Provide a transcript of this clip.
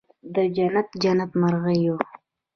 د جنت، جنت مرغېو